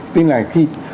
tuy là khi